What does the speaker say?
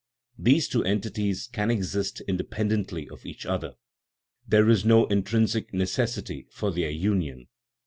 These two entities can exist inde pendently of each other; there is no intrinsic neces sity for their union.